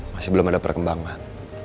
masih belum ada perkembangan